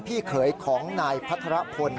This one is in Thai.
พี่เขยของนายพระธรพนย์